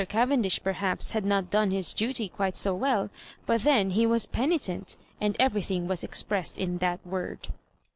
Cavendish, perhaps, had not done his duty quite so well; but then he was penitent, and everything was expressed in that word.